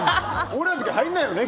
俺らの時、入らないよね。